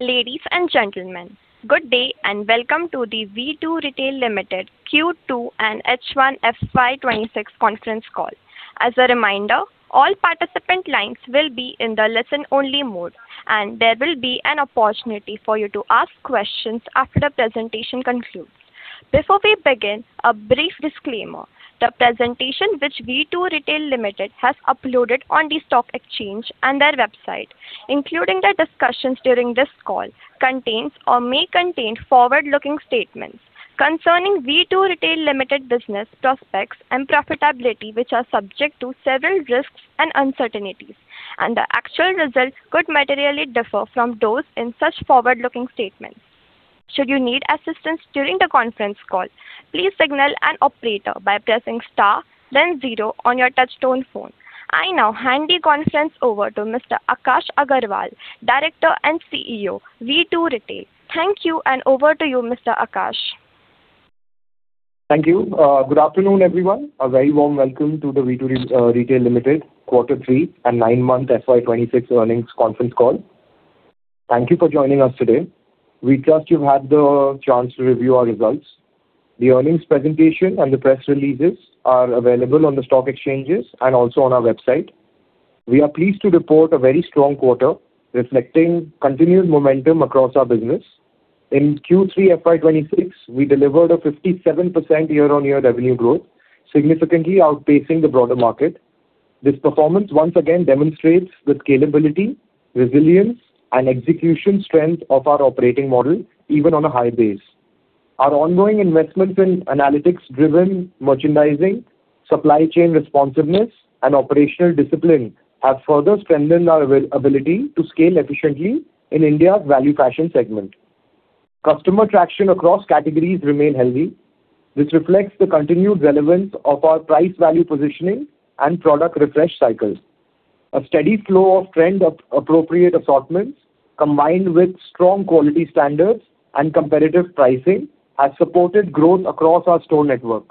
Ladies and gentlemen, good day and welcome to the V2 Retail Limited Q2 and H1 FY 2026 conference call. As a reminder, all participant lines will be in the listen-only mode, and there will be an opportunity for you to ask questions after the presentation concludes. Before we begin, a brief disclaimer: the presentation which V2 Retail Limited has uploaded on the stock exchange and their website, including the discussions during this call, contains or may contain forward-looking statements concerning V2 Retail Limited business prospects and profitability, which are subject to several risks and uncertainties, and the actual result could materially differ from those in such forward-looking statements. Should you need assistance during the conference call, please signal an operator by pressing star, then zero on your touch-tone phone. I now hand the conference over to Mr. Akash Agarwal, Director and CEO V2 Retail. Thank you, and over to you, Mr.Akash. Thank you. Good afternoon, everyone. A very warm welcome to the V2 Retail Limited Q3 and nine-months FY 2026 earnings conference call. Thank you for joining us today. We trust you've had the chance to review our results. The earnings presentation and the press releases are available on the stock exchanges and also on our website. We are pleased to report a very strong quarter reflecting continued momentum across our business. In Q3 FY 2026, we delivered a 57% year-on-year revenue growth, significantly outpacing the broader market. This performance, once again, demonstrates the scalability, resilience, and execution strength of our operating model, even on a high base. Our ongoing investments in analytics-driven merchandising, supply chain responsiveness, and operational discipline have further strengthened our ability to scale efficiently in India's value fashion segment. Customer traction across categories remains healthy. This reflects the continued relevance of our price-value positioning and product refresh cycles. A steady flow of trend-appropriate assortments, combined with strong quality standards and competitive pricing, has supported growth across our store network.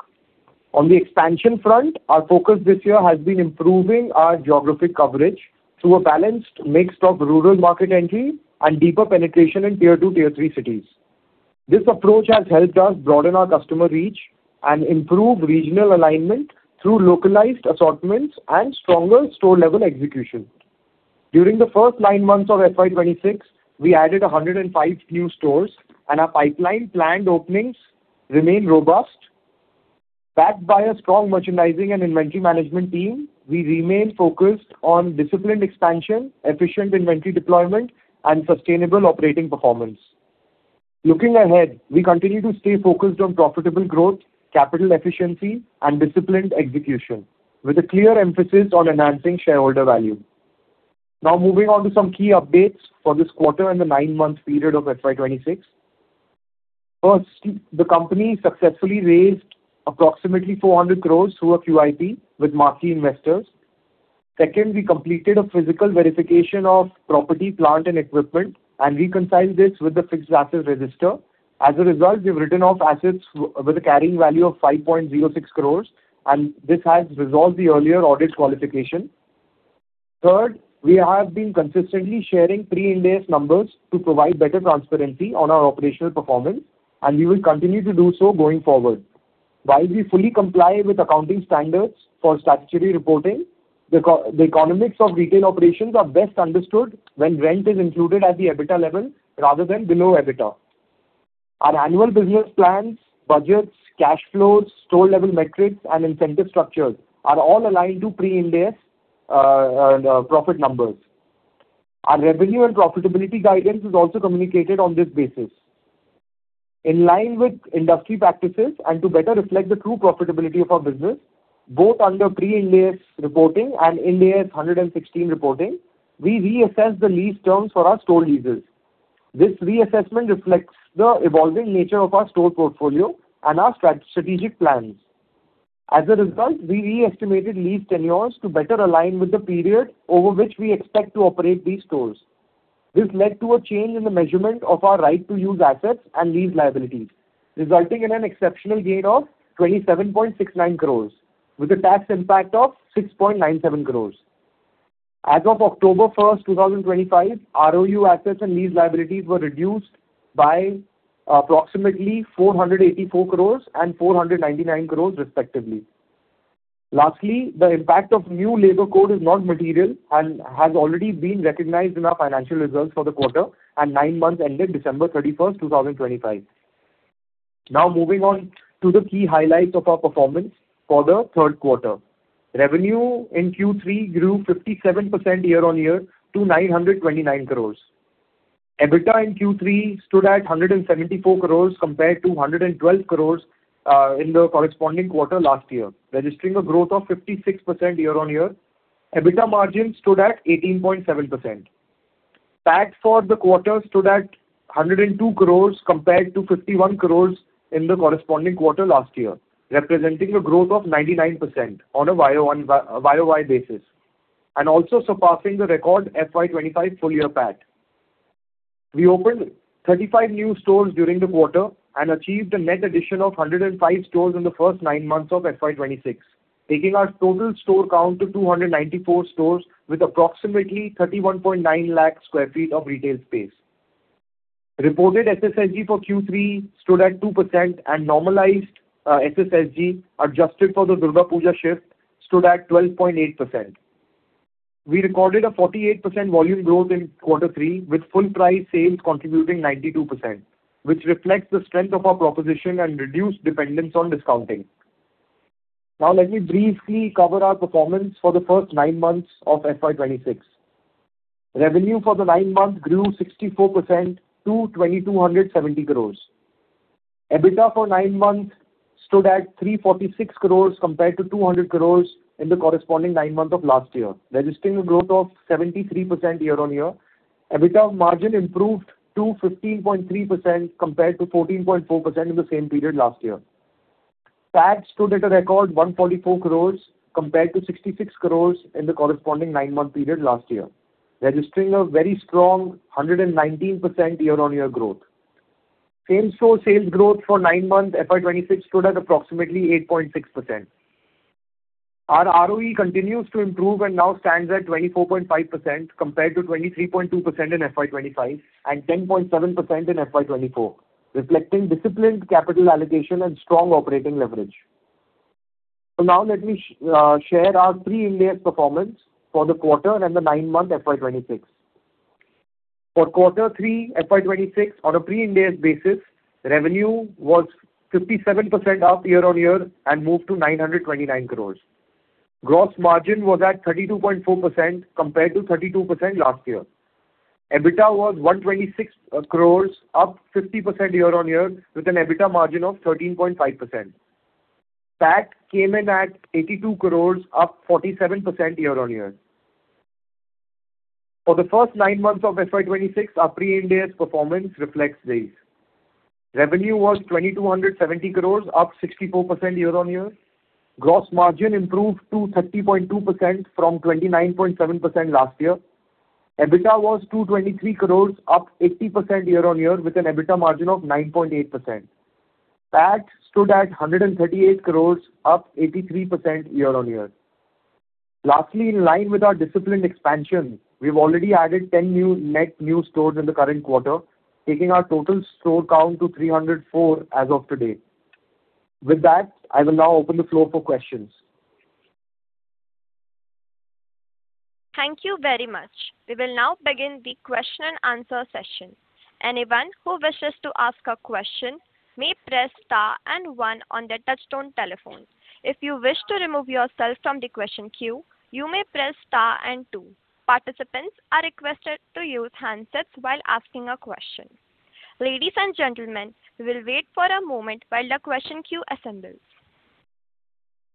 On the expansion front, our focus this year has been improving our geographic coverage through a balanced mix of rural market entry and deeper penetration in Tier 2, Tier 3 cities. This approach has helped us broaden our customer reach and improve regional alignment through localized assortments and stronger store-level execution. During the first nine months of FY 2026, we added 105 new stores, and our pipeline planned openings remain robust. Backed by a strong merchandising and inventory management team, we remain focused on disciplined expansion, efficient inventory deployment, and sustainable operating performance. Looking ahead, we continue to stay focused on profitable growth, capital efficiency, and disciplined execution, with a clear emphasis on enhancing shareholder value. Now, moving on to some key updates for this quarter and the 9-month period of FY 2026. First, the company successfully raised approximately 400 crore through a QIP with marquee investors. Second, we completed a physical verification of property, plant, and equipment, and reconciled this with the fixed asset register. As a result, we've written off assets with a carrying value of 5.06 crore, and this has resolved the earlier audit qualification. Third, we have been consistently sharing pre-Ind AS numbers to provide better transparency on our operational performance, and we will continue to do so going forward. While we fully comply with accounting standards for statutory reporting, the economics of retail operations are best understood when rent is included at the EBITDA level rather than below EBITDA. Our annual business plans, budgets, cash flows, store-level metrics, and incentive structures are all aligned to pre-Ind AS profit numbers. Our revenue and profitability guidance is also communicated on this basis. In line with industry practices and to better reflect the true profitability of our business, both under pre-Ind AS reporting and Ind AS 116 reporting, we reassessed the lease terms for our store leases. This reassessment reflects the evolving nature of our store portfolio and our strategic plans. As a result, we re-estimated lease tenures to better align with the period over which we expect to operate these stores. This led to a change in the measurement of our right-of-use assets and lease liabilities, resulting in an exceptional gain of 27.69 crore, with a tax impact of 6.97 crore. As of October 1st, 2025, ROU assets and lease liabilities were reduced by approximately 484 crore and 499 crore, respectively. Lastly, the impact of new labor code is not material and has already been recognized in our financial results for the quarter, and nine months ended December 31st, 2025. Now, moving on to the key highlights of our performance for the third quarter. Revenue in Q3 grew 57% year-on-year to 929 crore. EBITDA in Q3 stood at 174 crore compared to 112 crore in the corresponding quarter last year, registering a growth of 56% year-on-year. EBITDA margin stood at 18.7%. PAT for the quarter stood at 102 crore compared to 51 crore in the corresponding quarter last year, representing a growth of 99% on a YOY basis and also surpassing the record FY 2025 full-year PAT. We opened 35 new stores during the quarter and achieved a net addition of 105 stores in the first nine months of FY 2026, taking our total store count to 294 stores with approximately 31.9 lakh sq ft of retail space. Reported SSSG for Q3 stood at 2%, and normalized SSSG adjusted for the Durga Puja shift stood at 12.8%. We recorded a 48% volume growth in Q3, with full-price sales contributing 92%, which reflects the strength of our proposition and reduced dependence on discounting. Now, let me briefly cover our performance for the first nine months of FY 2026. Revenue for the nine months grew 64% to 2,270 crore. EBITDA for nine months stood at 346 crore compared to 200 crore in the corresponding nine months of last year, registering a growth of 73% year-on-year. EBITDA margin improved to 15.3% compared to 14.4% in the same period last year. PAT stood at a record 144 crore compared to 66 crore in the corresponding 9-month period last year, registering a very strong 119% year-on-year growth. Same-store sales growth for 9 months FY 2026 stood at approximately 8.6%. Our ROE continues to improve and now stands at 24.5% compared to 23.2% in FY 2025 and 10.7% in FY 2024, reflecting disciplined capital allocation and strong operating leverage. So now, let me share our pre-Ind AS performance for the quarter and the nine-month FY 2026. For Q3 FY 2026, on a pre-Ind AS basis, revenue was 57% up year-on-year and moved to 929 crore. Gross margin was at 32.4% compared to 32% last year. EBITDA was 126 crore, up 50% year-on-year, with an EBITDA margin of 13.5%. PAT came in at 82 crore, up 47% year-on-year. For the first nine months of FY 2026, our pre-Ind AS performance reflects these. Revenue was 2,270 crore, up 64% year-on-year. Gross margin improved to 30.2% from 29.7% last year. EBITDA was 223 crore, up 80% year-on-year, with an EBITDA margin of 9.8%. PAT stood at 138 crore, up 83% year-on-year. Lastly, in line with our disciplined expansion, we've already added 10 net new stores in the current quarter, taking our total store count to 304 as of today. With that, I will now open the floor for questions. Thank you very much. We will now begin the question-and-answer session. Anyone who wishes to ask a question may press star and one on their touch-tone telephone. If you wish to remove yourself from the question queue, you may press star and two. Participants are requested to use handsets while asking a question. Ladies and gentlemen, we will wait for a moment while the question queue assembles.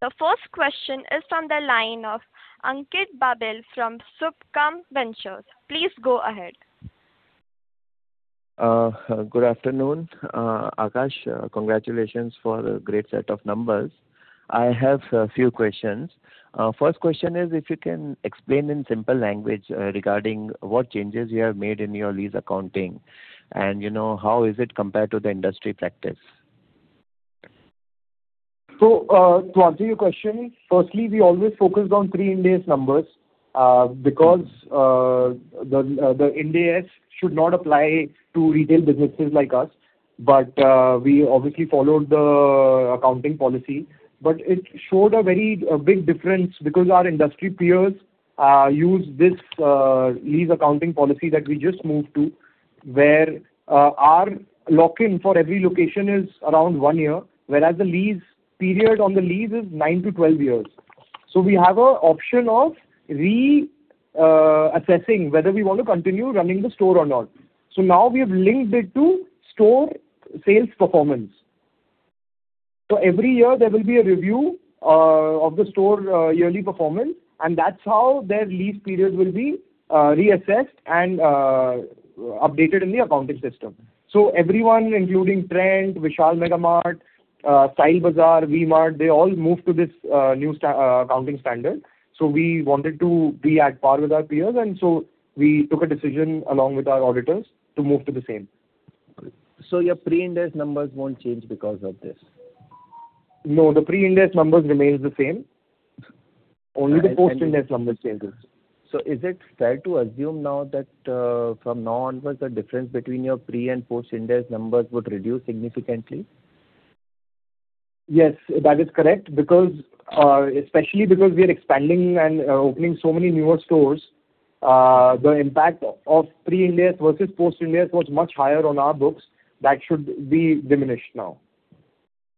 The first question is from the line of Ankit Babel from Subhkam Ventures. Please go ahead. Good afternoon, Akash. Congratulations for a great set of numbers. I have a few questions. First question is if you can explain in simple language regarding what changes you have made in your lease accounting and how is it compared to the industry practice? So to answer your question, firstly, we always focused on pre-Ind AS numbers because the Ind AS should not apply to retail businesses like us. But we obviously followed the accounting policy. But it showed a very big difference because our industry peers use this lease accounting policy that we just moved to, where our lock-in for every location is around 1 year, whereas the lease period on the lease is 9-12 years. So we have an option of reassessing whether we want to continue running the store or not. So now we have linked it to store sales performance. So every year, there will be a review of the store yearly performance, and that's how their lease period will be reassessed and updated in the accounting system. So everyone, including Trent, Vishal Mega Mart, Style Bazaar, V-Mart, they all moved to this new accounting standard. So we wanted to be at par with our peers, and so we took a decision along with our auditors to move to the same. Your pre-Ind AS numbers won't change because of this? No, the pre-Ind AS numbers remain the same. Only the post-Ind AS numbers changes. Is it fair to assume now that from now onward, the difference between your pre- and post-Ind AS numbers would reduce significantly? Yes, that is correct. Especially because we are expanding and opening so many newer stores, the impact of pre-Ind AS versus post-Ind AS was much higher on our books. That should be diminished now.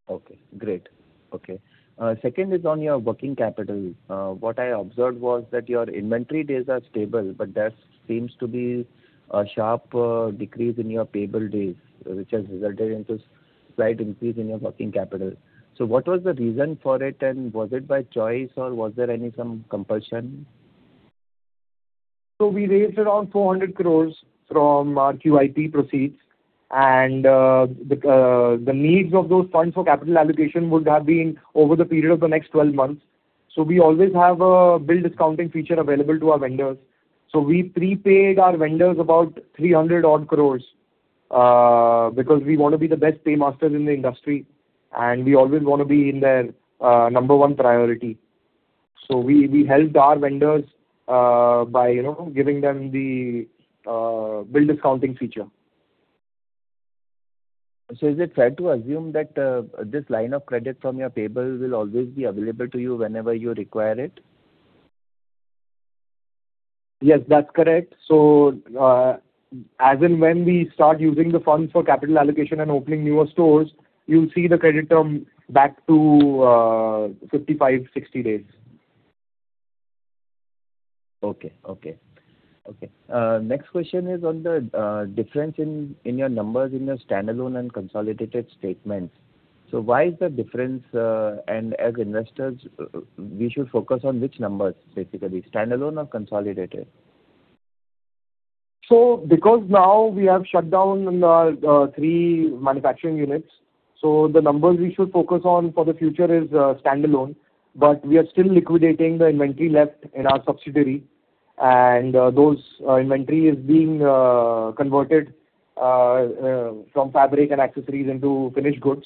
Okay, great. Okay. Second is on your working capital. What I observed was that your inventory days are stable, but there seems to be a sharp decrease in your payable days, which has resulted in a slight increase in your working capital. So what was the reason for it, and was it by choice, or was there some compulsion? So we raised around 400 crore from our QIP proceeds, and the needs of those funds for capital allocation would have been over the period of the next 12 months. So we always have a bill discounting feature available to our vendors. So we prepaid our vendors about 300-odd crore because we want to be the best paymasters in the industry, and we always want to be in their number one priority. So we helped our vendors by giving them the bill discounting feature. Is it fair to assume that this line of credit from your payables will always be available to you whenever you require it? Yes, that's correct. So as and when we start using the funds for capital allocation and opening newer stores, you'll see the credit term back to 55-60 days. Okay, okay, okay. Next question is on the difference in your numbers in your standalone and consolidated statements. So why is the difference? And as investors, we should focus on which numbers, basically, standalone or consolidated? So because now we have shut down three manufacturing units, so the numbers we should focus on for the future is standalone. But we are still liquidating the inventory left in our subsidiary, and those inventory is being converted from fabric and accessories into finished goods.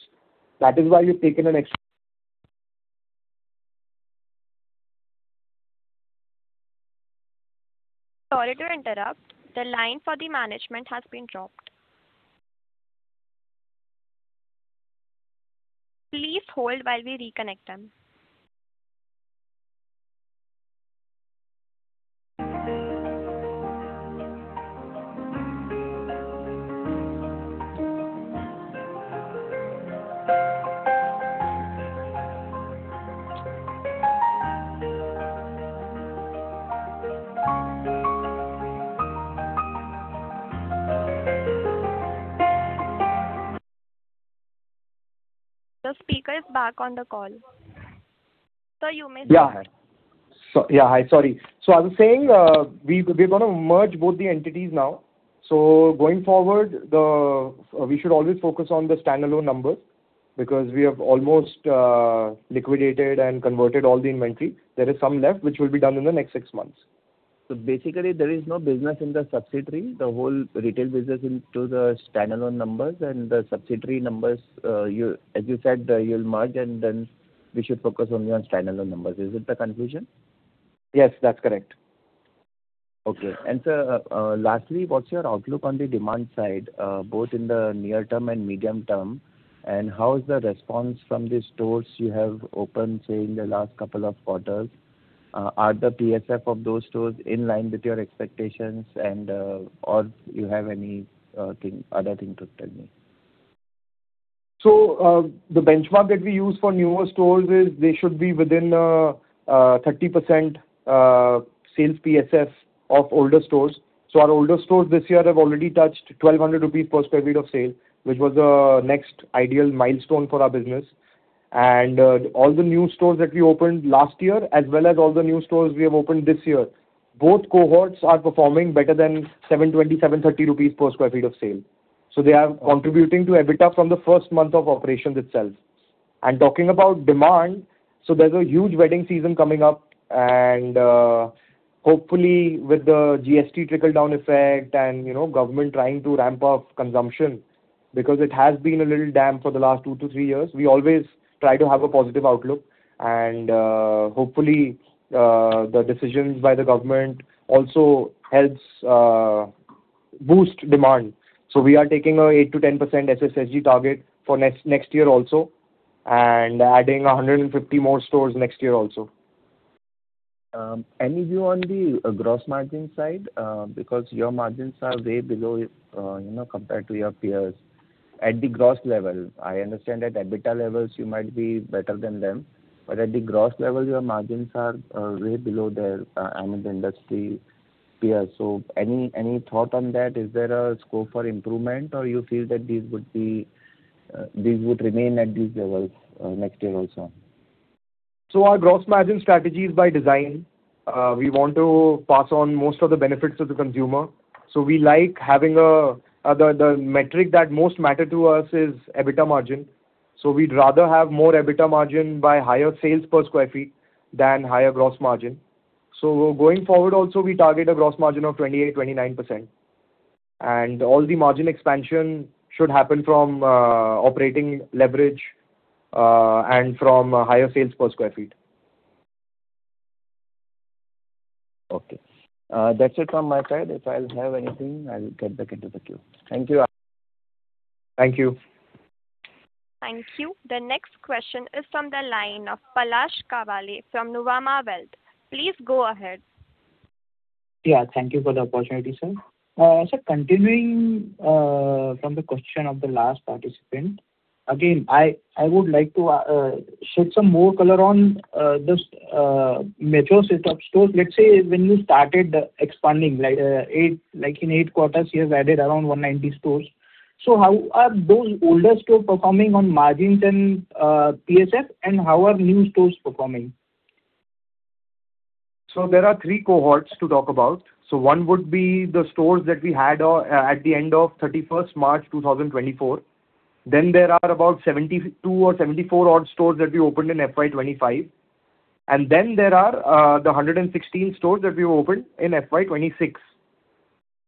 That is why we've taken an extra. Sorry to interrupt. The line for the management has been dropped. Please hold while we reconnect them. The speaker is back on the call. So you may. Yeah, hi. Sorry. So I was saying we're going to merge both the entities now. So going forward, we should always focus on the standalone numbers because we have almost liquidated and converted all the inventory. There is some left, which will be done in the next six months. So basically, there is no business in the subsidiary, the whole retail business into the standalone numbers, and the subsidiary numbers, as you said, you'll merge, and then we should focus only on standalone numbers. Is it the conclusion? Yes, that's correct. Okay. And so, lastly, what's your outlook on the demand side, both in the near-term and medium-term, and how is the response from the stores you have opened, say, in the last couple of quarters? Are the PSF of those stores in line with your expectations, or do you have any other thing to tell me? The benchmark that we use for newer stores is they should be within 30% sales PSF of older stores. Our older stores this year have already touched 1,200 rupees per sq ft of sale, which was the next ideal milestone for our business. All the new stores that we opened last year, as well as all the new stores we have opened this year, both cohorts are performing better than 720-730 rupees per sq ft of sale. They are contributing to EBITDA from the first month of operations itself. Talking about demand, there's a huge wedding season coming up. Hopefully, with the GST trickle-down effect and government trying to ramp up consumption because it has been a little damp for the last two to three years, we always try to have a positive outlook. Hopefully, the decisions by the government also help boost demand. We are taking an 8%-10% SSSG target for next year also and adding 150 more stores next year also. Any view on the gross margin side? Because your margins are way below compared to your peers. At the gross level, I understand at EBITDA levels, you might be better than them. But at the gross level, your margins are way below there, I mean, the industry peers. So any thought on that? Is there a scope for improvement, or you feel that these would remain at these levels next year also? Our gross margin strategy is by design. We want to pass on most of the benefits to the consumer. We like having the metric that most matters to us is EBITDA margin. We'd rather have more EBITDA margin by higher sales per sq ft than higher gross margin. Going forward also, we target a gross margin of 28%-29%. All the margin expansion should happen from operating leverage and from higher sales per sq ft. Okay. That's it from my side. If I'll have anything, I'll get back into the queue. Thank you. Thank you. Thank you. The next question is from the line of Palash Kawale from Nuvama Wealth. Please go ahead. Yeah, thank you for the opportunity, sir. So continuing from the question of the last participant, again, I would like to shed some more color on the metro setup stores. Let's say when you started expanding in eight quarters, you've added around 190 stores. So how are those older stores performing on margins and PSF, and how are new stores performing? There are three cohorts to talk about. One would be the stores that we had at the end of 31st March 2024. There are about 72 or 74-odd stores that we opened in FY 2025. There are the 116 stores that we opened in FY 2026.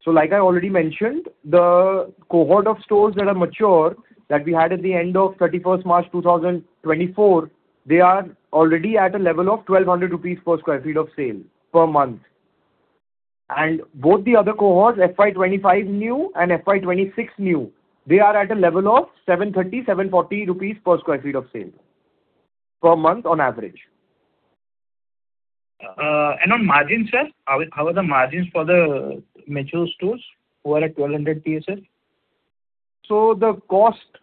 Like I already mentioned, the cohort of stores that are mature that we had at the end of 31st March 2024, they are already at a level of 1,200 rupees per sq ft of sales per month. Both the other cohorts, FY 2025 new and FY 2026 new, they are at a level of 730-740 rupees per sq ft of sales per month on average. On margins, sir, how are the margins for the metro stores who are at 1,200 PSF? The cost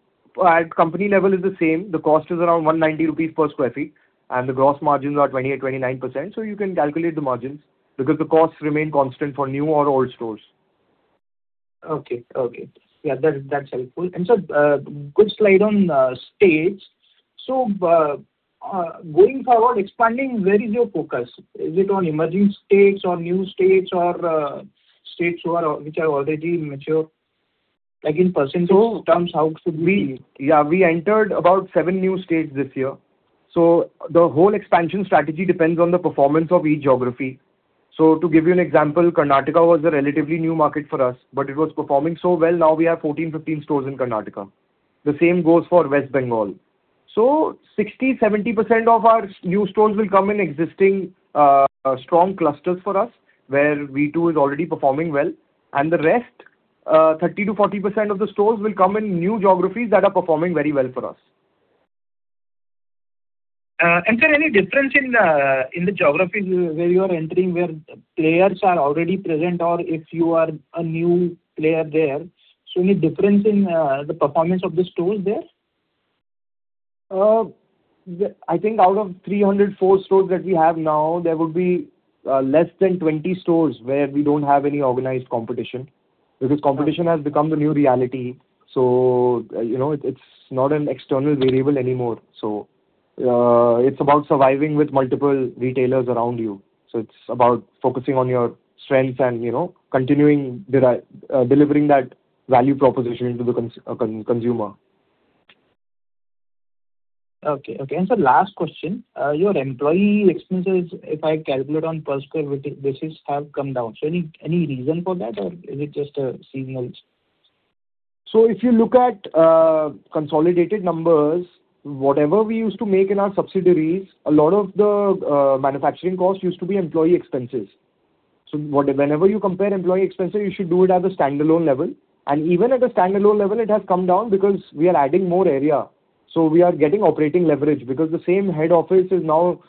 at company level is the same. The cost is around 190 rupees per sq ft, and the gross margins are 28%-29%. You can calculate the margins because the costs remain constant for new or old stores. Okay, okay. Yeah, that's helpful. And so, good slide on states. So going forward, expanding, where is your focus? Is it on emerging states or new states or states which are already mature? In percentage terms, how should we? Yeah, we entered about seven new states this year. So the whole expansion strategy depends on the performance of each geography. So to give you an example, Karnataka was a relatively new market for us, but it was performing so well. Now we have 14-15 stores in Karnataka. The same goes for West Bengal. So 60%-70% of our new stores will come in existing strong clusters for us where V2 is already performing well. And the rest, 30%-40% of the stores will come in new geographies that are performing very well for us. Sir, any difference in the geographies where you are entering, where players are already present, or if you are a new player there? Any difference in the performance of the stores there? I think out of 304 stores that we have now, there would be less than 20 stores where we don't have any organized competition because competition has become the new reality. So it's not an external variable anymore. So it's about surviving with multiple retailers around you. So it's about focusing on your strengths and continuing delivering that value proposition to the consumer. Okay, okay. And so, last question, your employee expenses, if I calculate on per sq ft, have come down. So any reason for that, or is it just seasonal? If you look at consolidated numbers, whatever we used to make in our subsidiaries, a lot of the manufacturing cost used to be employee expenses. Whenever you compare employee expenses, you should do it at the standalone level. Even at the standalone level, it has come down because we are adding more area. We are getting operating leverage because the same head office is now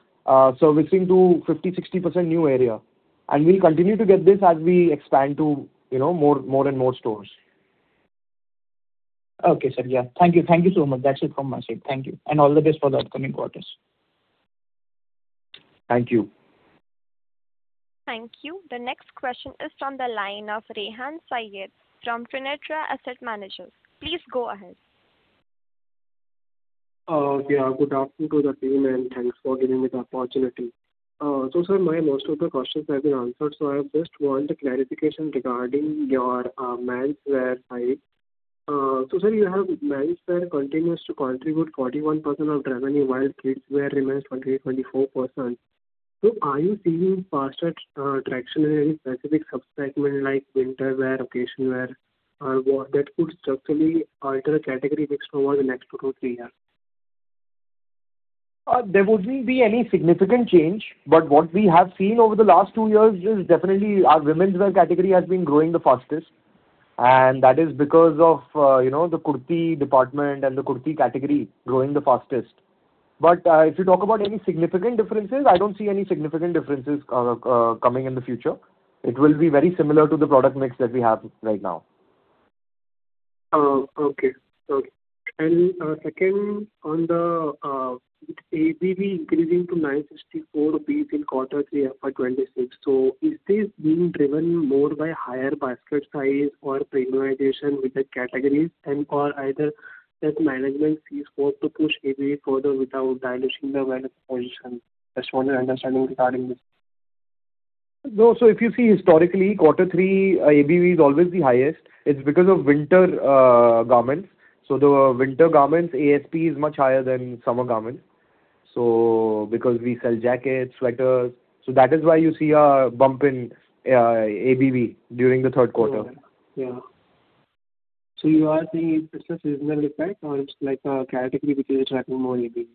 servicing 50%-60% new area. We'll continue to get this as we expand to more and more stores. Okay, sir. Yeah, thank you. Thank you so much. That's it from my side. Thank you. All the best for the upcoming quarters. Thank you. Thank you. The next question is from the line of Rehan Saiyyed from Trinetra Asset Managers. Please go ahead. Yeah, good afternoon to the team, and thanks for giving me the opportunity. So sir, most of the questions have been answered. So I just want a clarification regarding your Men's Wear side. So sir, you have Men's Wear continues to contribute 41% of revenue while kids' wear remains 23%-24%. So are you seeing faster traction in any specific subsegment like winter wear, occasion wear, or that could structurally alter category mix towards the next two to three years? There wouldn't be any significant change. But what we have seen over the last two years is definitely our Women's Wear category has been growing the fastest. And that is because of the kurti department and the kurti category growing the fastest. But if you talk about any significant differences, I don't see any significant differences coming in the future. It will be very similar to the product mix that we have right now. Okay, okay. Second, on the ABV increasing to 964 rupees in quarter three FY2026, so is this being driven more by higher basket size or premiumization with the categories, and/or either that management sees hope to push ABV further without diluting the wealth position? Just wanted understanding regarding this. No, so if you see historically, quarter three, ABV is always the highest. It's because of winter garments. So the winter garments, ASP is much higher than summer garments because we sell jackets, sweaters. So that is why you see a bump in ABV during the third quarter. Yeah. So you are saying it's just a seasonal effect, or it's like a category which is attracting more ABV?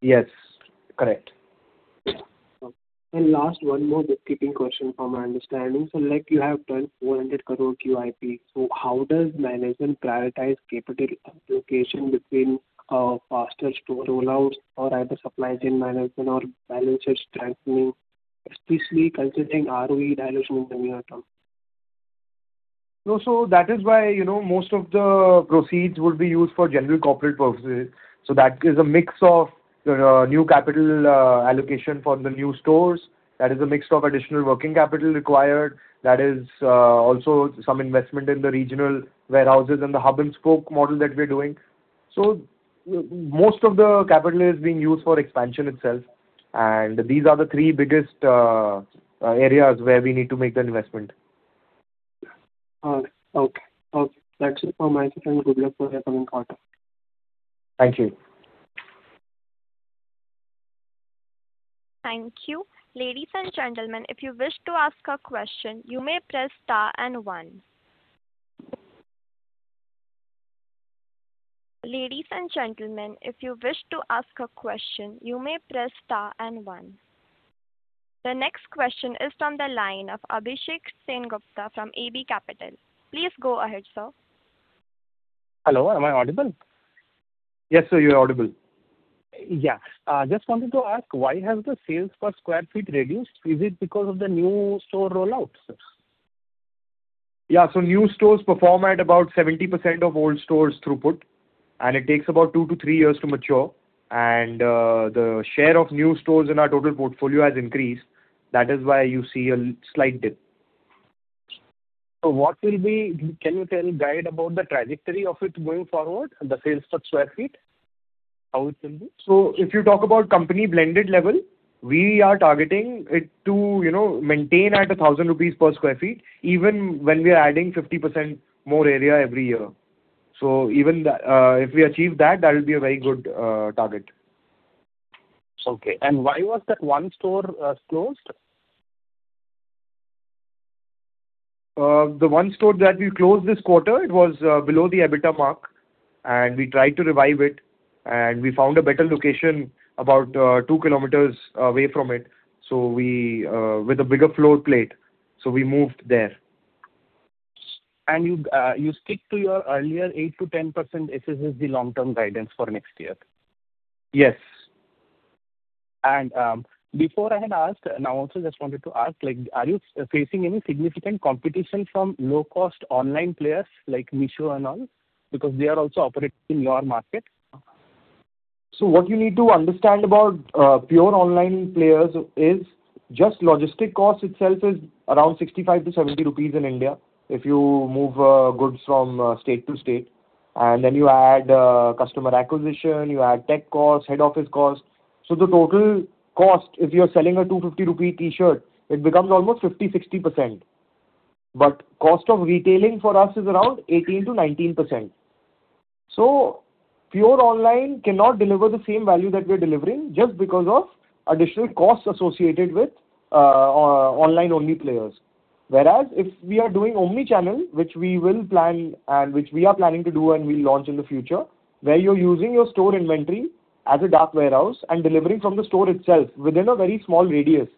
Yes, correct. Last one more bookkeeping question from my understanding. So you have turned 400 crore QIP. So how does management prioritize capital allocation between faster store rollouts, or either supply chain management, or balance sheet strengthening, especially considering ROE dilution in the near term? No, so that is why most of the proceeds would be used for general corporate purposes. That is a mix of new capital allocation for the new stores. That is a mix of additional working capital required. That is also some investment in the regional warehouses and the hub-and-spoke model that we're doing. Most of the capital is being used for expansion itself. These are the three biggest areas where we need to make the investment. Okay, okay. That's it from my side, and good luck for the upcoming quarter. Thank you. Thank you. Ladies and gentlemen, if you wish to ask a question, you may press star and one. Ladies and gentlemen, if you wish to ask a question, you may press star and one. The next question is from the line of Abhishek Gupta from AB Capital. Please go ahead, sir. Hello. Am I audible? Yes, sir, you are audible. Yeah. Just wanted to ask, why has the sales per sq ft reduced? Is it because of the new store rollout, sir? Yeah, so new stores perform at about 70% of old stores' throughput, and it takes about two to three years to mature. And the share of new stores in our total portfolio has increased. That is why you see a slight dip. Can you tell guide about the trajectory of it going forward, the sales per sq ft, how it will be? If you talk about company blended level, we are targeting it to maintain at 1,000 rupees per sq ft even when we are adding 50% more area every year. Even if we achieve that, that will be a very good target. Okay. Why was that one store closed? The one store that we closed this quarter, it was below the EBITDA mark. We tried to revive it, and we found a better location about two kilometers away from it with a bigger floor plate. We moved there. You stick to your earlier 8%-10% if this is the long-term guidance for next year? Yes. And before I had asked, now also just wanted to ask, are you facing any significant competition from low-cost online players like Meesho and all? Because they are also operating in your market. So what you need to understand about pure online players is just logistic cost itself is around 65-70 rupees in India if you move goods from state to state. And then you add customer acquisition, you add tech cost, head office cost. So the total cost, if you're selling a 250 rupee T-shirt, it becomes almost 50%-60%. But cost of retailing for us is around 18%-19%. So pure online cannot deliver the same value that we're delivering just because of additional costs associated with online-only players. Whereas if we are doing omnichannel, which we will plan and which we are planning to do and will launch in the future, where you're using your store inventory as a dark warehouse and delivering from the store itself within a very small radius,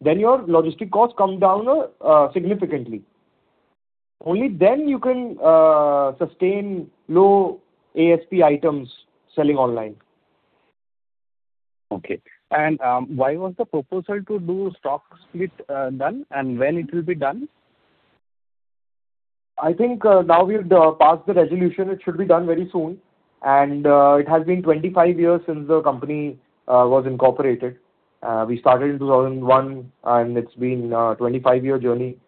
then your logistic costs come down significantly. Only then you can sustain low ASP items selling online. Okay. Why was the proposal to do stock split done, and when it will be done? I think now we've passed the resolution. It should be done very soon. It has been 25 years since the company was incorporated. We started in 2001, and it's been a 25-year journey.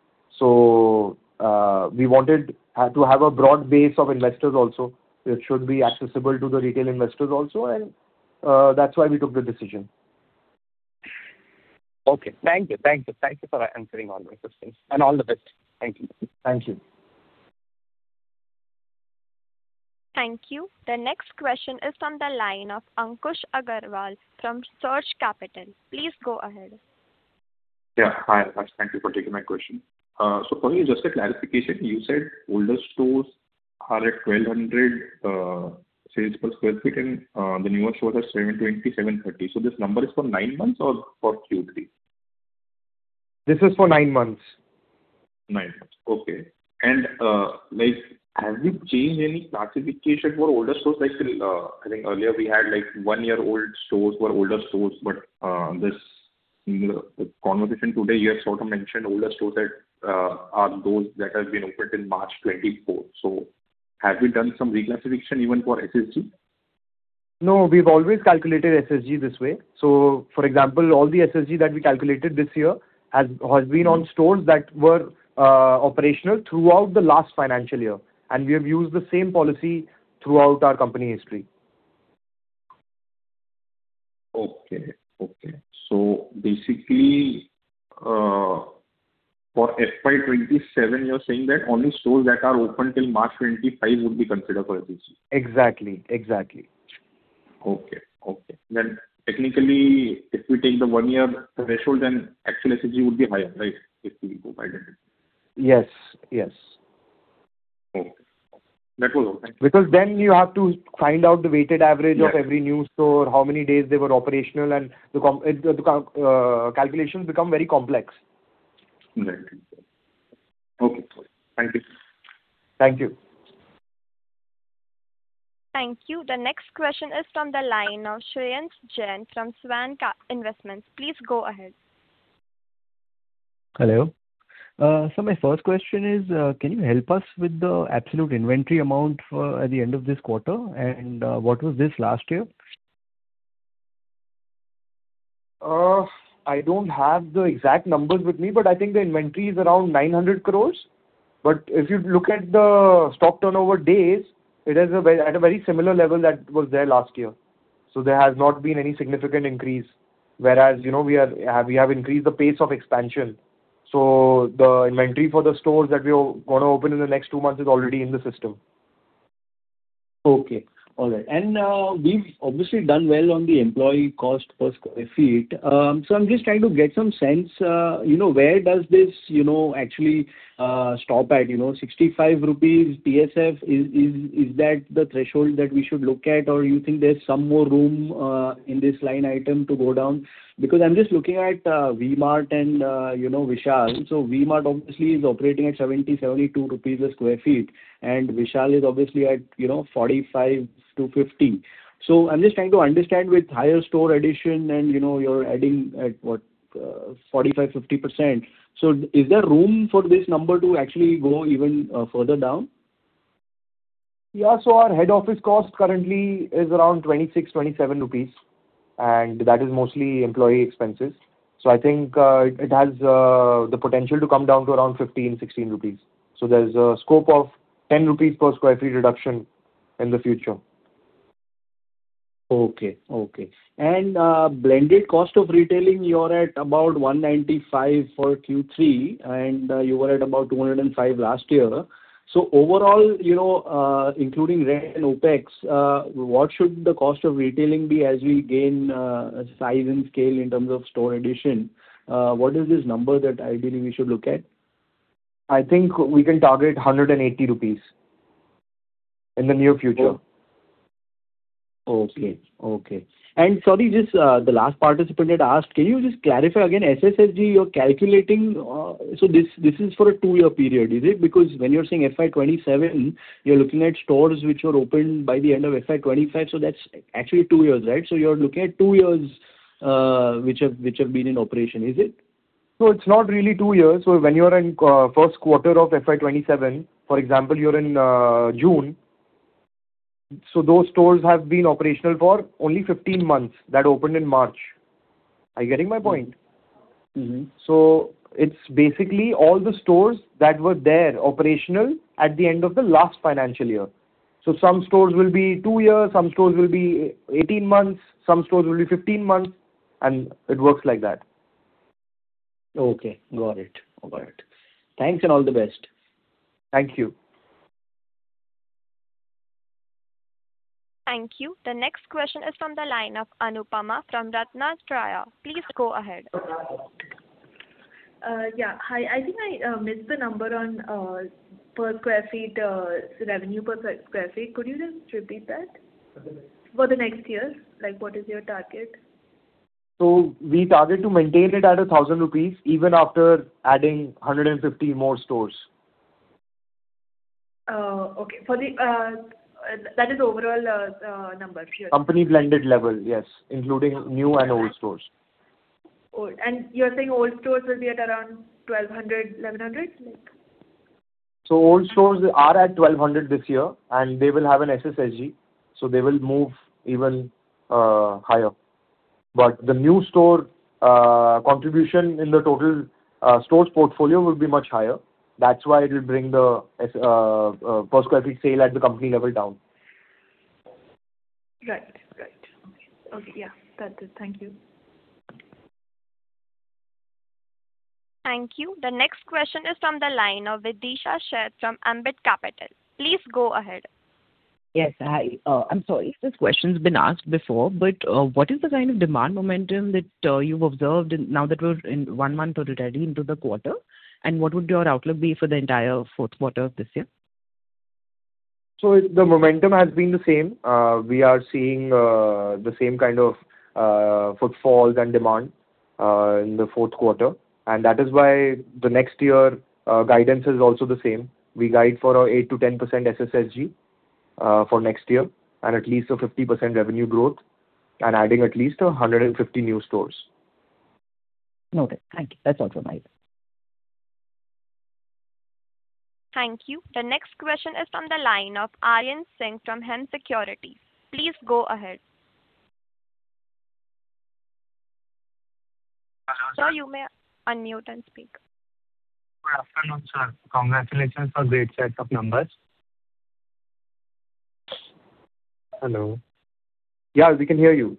We wanted to have a broad base of investors also. It should be accessible to the retail investors also. That's why we took the decision. Okay. Thank you. Thank you. Thank you for answering all my questions. All the best. Thank you. Thank you. Thank you. The next question is from the line of Ankush Agrawal from Surge Capital. Please go ahead. Yeah, hi, Akash. Thank you for taking my question. So for me, just a clarification, you said older stores are at 1,200 sales per sq ft, and the newer stores are 720-730. So this number is for nine months or for Q3? This is for nine months. Nine months. Okay. And have you changed any classification for older stores? I think earlier we had one-year-old stores were older stores. But this conversation today, you have sort of mentioned older stores are those that have been opened in March 2024. So have we done some reclassification even for SSSG? No, we've always calculated SSSG this way. So for example, all the SSSG that we calculated this year has been on stores that were operational throughout the last financial year. We have used the same policy throughout our company history. Okay, okay. So basically, for FY 2027, you're saying that only stores that are open till March 25 would be considered for SSSG? Exactly, exactly. Okay, okay. Then technically, if we take the one-year threshold, then actual SSSG would be higher, right, if we go by that? Yes, yes. Okay. That was all. Thank you. Because then you have to find out the weighted average of every new store, how many days they were operational, and the calculations become very complex. Right. Okay. Thank you. Thank you. Thank you. The next question is from the line of Shreyansh Jain from Svan Investments. Please go ahead. Hello. My first question is, can you help us with the absolute inventory amount at the end of this quarter? And what was this last year? I don't have the exact numbers with me, but I think the inventory is around 900 crore. But if you look at the stock turnover days, it is at a very similar level that was there last year. So there has not been any significant increase. Whereas we have increased the pace of expansion. So the inventory for the stores that we are going to open in the next two months is already in the system. Okay. All right. And we've obviously done well on the employee cost per sq ft. So I'm just trying to get some sense. Where does this actually stop at? 65 rupees PSF, is that the threshold that we should look at, or you think there's some more room in this line item to go down? Because I'm just looking at V-Mart and Vishal. So V-Mart obviously is operating at 70 rupees, 72 rupees per sq ft, and Vishal is obviously at 45-50. So I'm just trying to understand with higher store addition, and you're adding at what, 45-50%. So is there room for this number to actually go even further down? Yeah. So our head office cost currently is around 26-27 rupees, and that is mostly employee expenses. So I think it has the potential to come down to around 15-16 rupees. So there's a scope of 10 rupees per sq ft reduction in the future. Okay, okay. And blended cost of retailing, you're at about 195 for Q3, and you were at about 205 last year. So overall, including rent and OpEx, what should the cost of retailing be as we gain size and scale in terms of store addition? What is this number that ideally we should look at? I think we can target 180 rupees in the near future. Okay, okay. And sorry, just the last participant had asked, can you just clarify again, SSSG, you're calculating so this is for a two-year period, is it? Because when you're saying FY 2027, you're looking at stores which are opened by the end of FY 2025. So that's actually two years, right? So you're looking at two years which have been in operation, is it? So it's not really two years. So when you're in first quarter of FY 2027, for example, you're in June, so those stores have been operational for only 15 months that opened in March. Are you getting my point? So it's basically all the stores that were there operational at the end of the last financial year. So some stores will be two years, some stores will be 18 months, some stores will be 15 months, and it works like that. Okay. Got it. Got it. Thanks, and all the best. Thank you. Thank you. The next question is from the line of Anupama from RatnaTraya. Please go ahead. Yeah. Hi. I think I missed the number on revenue per sq ft. Could you just repeat that? For the next year? What is your target? We target to maintain it at 1,000 rupees even after adding 150 more stores. Okay. That is overall number, yes. Company blended level, yes, including new and old stores. You're saying old stores will be at around 1,200, 1,100? So old stores are at 1,200 this year, and they will have an SSSG. So they will move even higher. But the new store contribution in the total stores portfolio would be much higher. That's why it will bring the per sq ft sale at the company level down. Right, right. Okay. Okay. Yeah. That's it. Thank you. Thank you. The next question is from the line of Videesha Sheth from Ambit Capital. Please go ahead. Yes. Hi. I'm sorry. This question has been asked before, but what is the kind of demand momentum that you've observed now that we're in one month already into the quarter? And what would your outlook be for the entire fourth quarter of this year? The momentum has been the same. We are seeing the same kind of footfalls and demand in the fourth quarter. That is why the next-year guidance is also the same. We guide for 8%-10% SSSG for next year and at least 50% revenue growth and adding at least 150 new stores. Noted. Thank you. That's all from me. Thank you. The next question is from the line of Aryan Singh from Hem Securities. Please go ahead. Hello. Sir, you may unmute and speak. Good afternoon, sir. Congratulations for great sets of numbers. Hello. Yeah, we can hear you.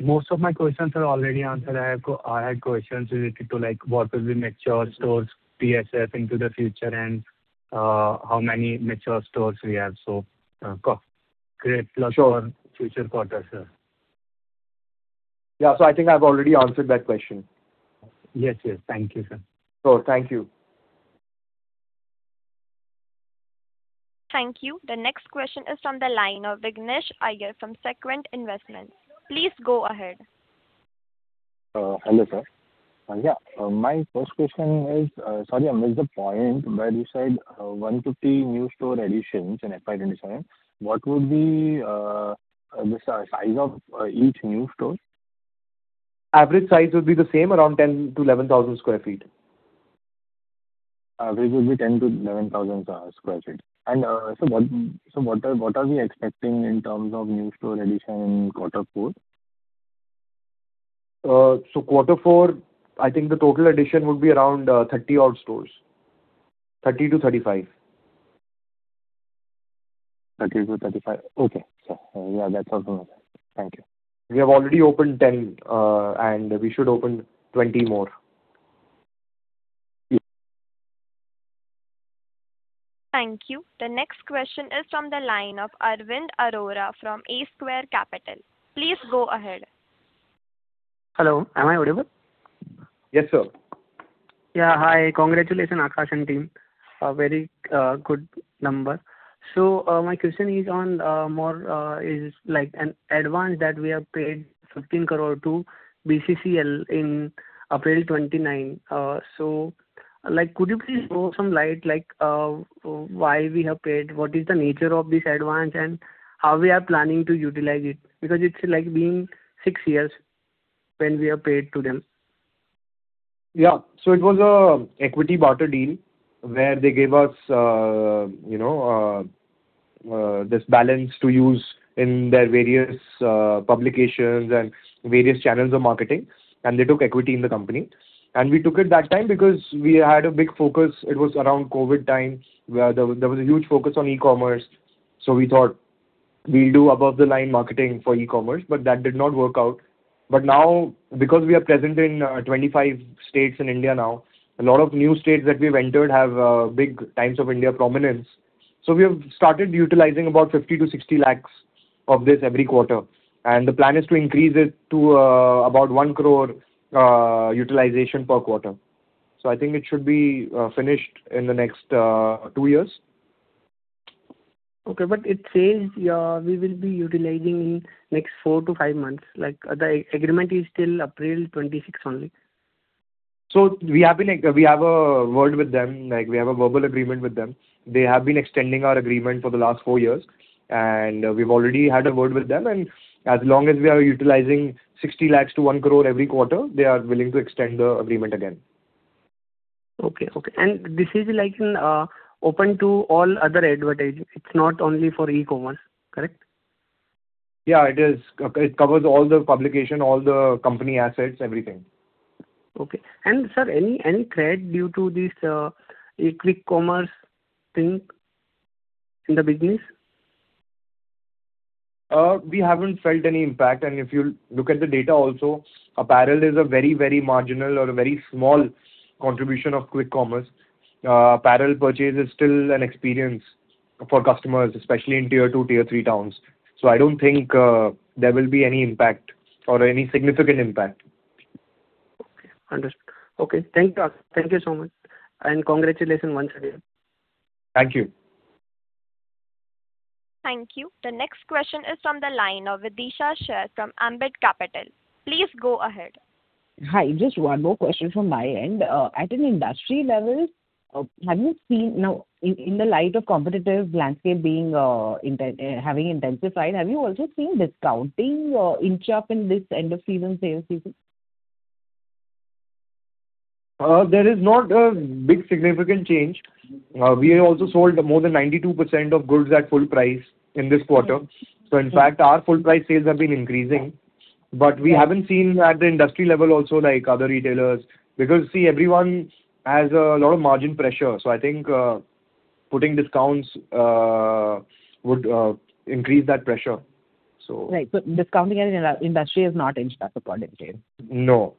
Most of my questions are already answered. I had questions related to what will be mature stores TSF into the future and how many mature stores we have. Great luck for future quarters, sir. Yeah. So I think I've already answered that question. Yes, yes. Thank you, sir. Sure. Thank you. Thank you. The next question is from the line of Vignesh Iyer from Sequent Investments. Please go ahead. Hello, sir. Yeah. My first question is, sorry, I missed the point, but you said 150 new store additions in FY 2027. What would be the size of each new store? Average size would be the same, around 10,000 sq ft-11,000 sq ft. Average would be 10,000 sq ft-11,000 sq ft. And so what are we expecting in terms of new store addition in quarter four? Quarter four, I think the total addition would be around 30-odd stores, 30-35. Okay, 30-35. Okay, sir. Yeah, that's all from me. Thank you. We have already opened 10, and we should open 20 more. Yes. Thank you. The next question is from the line of Arvind Arora from A Square Capital. Please go ahead. Hello. Am I audible? Yes, sir. Yeah. Hi. Congratulations, Akash and team. A very good number. So my question is on the advance that we have paid 15 crore to BCCL in April 29. So could you please throw some light why we have paid? What is the nature of this advance, and how we are planning to utilize it? Because it's been six years when we have paid to them. Yeah. So it was an equity barter deal where they gave us this balance to use in their various publications and various channels of marketing. And they took equity in the company. And we took it that time because we had a big focus. It was around COVID time. There was a huge focus on e-commerce. So we thought we'll do above-the-line marketing for e-commerce, but that did not work out. But now, because we are present in 25 states in India now, a lot of new states that we've entered have big Times of India prominence. So we have started utilizing about 50 lakh-60 lakhs of this every quarter. And the plan is to increase it to about 1 crore utilization per quarter. So I think it should be finished in the next two years. Okay. But it says we will be utilizing in next months. The agreement is still April 26 only. We have a word with them. We have a verbal agreement with them. They have been extending our agreement for the last 4 years. We've already had a word with them. As long as we are utilizing 0.6 crore-1 crore every quarter, they are willing to extend the agreement again. Okay, okay. And this is open to all other advertising? It's not only for e-commerce, correct? Yeah, it is. It covers all the publications, all the company assets, everything. Okay. Sir, any threat due to this quick commerce thing in the business? We haven't felt any impact. If you look at the data also, apparel is a very, very marginal or very small contribution of quick commerce. Apparel purchase is still an experience for customers, especially in tier two, tier three towns. So I don't think there will be any impact or any significant impact. Okay. Understood. Okay. Thank you. Thank you so much. And congratulations once again. Thank you. Thank you. The next question is from the line of Videesha Sheth from Ambit Capital. Please go ahead. Hi. Just one more question from my end. At an industry level, have you seen now, in the light of competitive landscape having intensified, have you also seen discounting inch up in this end-of-season sales season? There is not a big significant change. We also sold more than 92% of goods at full price in this quarter. So in fact, our full-price sales have been increasing. But we haven't seen at the industry level also other retailers because, see, everyone has a lot of margin pressure. So I think putting discounts would increase that pressure, so. Right. But discounting in the industry has not inched up accordingly? No.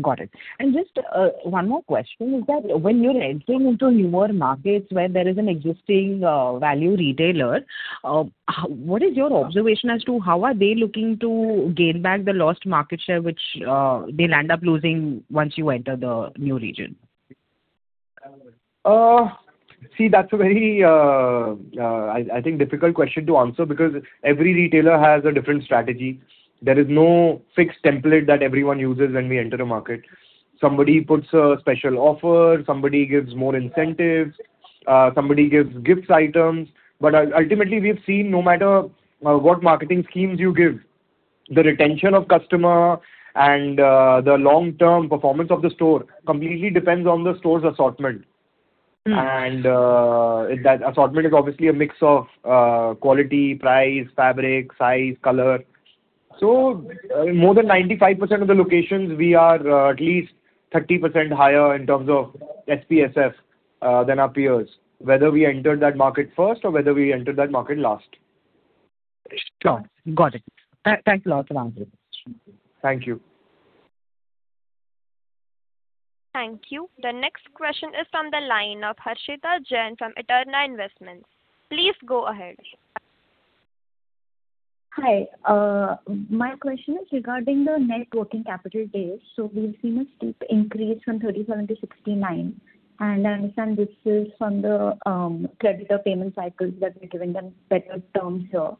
Got it. Just one more question is that when you're entering into newer markets where there is an existing value retailer, what is your observation as to how are they looking to gain back the lost market share which they land up losing once you enter the new region? See, that's a very, I think, difficult question to answer because every retailer has a different strategy. There is no fixed template that everyone uses when we enter a market. Somebody puts a special offer, somebody gives more incentives, somebody gives gift items. But ultimately, we've seen no matter what marketing schemes you give, the retention of customer and the long-term performance of the store completely depends on the store's assortment. And that assortment is obviously a mix of quality, price, fabric, size, color. So more than 95% of the locations, we are at least 30% higher in terms of SPSF than our peers, whether we entered that market first or whether we entered that market last. Sure. Got it. Thanks a lot for answering the question. Thank you. Thank you. The next question is from the line of Harshita Jain from Eterna Investments. Please go ahead. Hi. My question is regarding the net working capital days. We've seen a steep increase from 37 to 69. I understand this is from the creditor payment cycles that we're giving them better terms here.